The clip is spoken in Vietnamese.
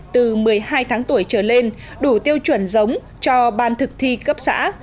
từ một mươi hai tháng tuổi trở lên đủ tiêu chuẩn giống cho ban thực thi cấp xã